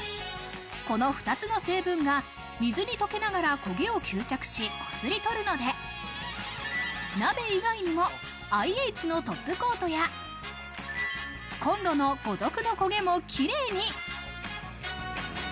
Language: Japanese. この２つの成分が水に溶けながら焦げを吸着し、こすり取るので鍋以外にもＩＨのトップコートや、コンロの五徳のコゲもキレイに。